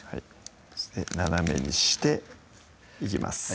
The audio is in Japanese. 斜めにしていきます